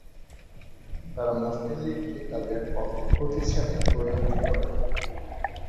তারা মুসলিম লীগকে তাদের পকেট প্রতিষ্ঠানে পরিনত করেন।